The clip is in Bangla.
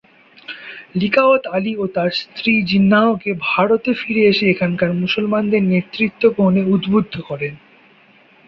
লিয়াকত আলি ও তার স্ত্রী জিন্নাহকে ভারতে ফিরে এসে এখানকার মুসলমানদের নেতৃত্ব গ্রহণে উদ্বুদ্ধ করেন।